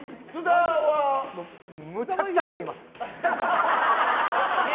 むちゃくちゃかみます。